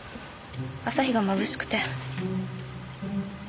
朝日がまぶしくて。